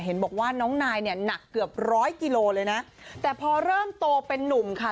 เห็นบอกว่าน้องนายเนี่ยหนักเกือบร้อยกิโลเลยนะแต่พอเริ่มโตเป็นนุ่มค่ะ